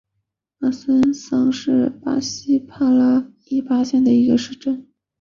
阿孙桑是巴西帕拉伊巴州的一个市镇。